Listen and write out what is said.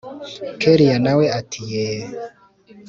kellia nawe ati yeee